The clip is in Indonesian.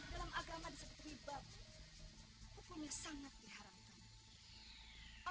dalam agama disebut riba hukumnya sangat diharamkan